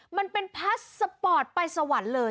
มันเป็นพาสสปอร์ตไปสวรรค์เลย